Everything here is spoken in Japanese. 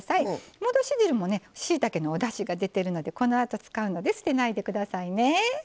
戻し汁もねしいたけのおだしが出てるのでこのあと使うので捨てないで下さいね。